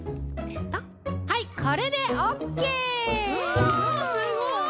おすごい！